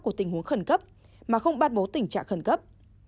của tình huống khẩn cấp mà không ban bố tình trạng khẩn cấp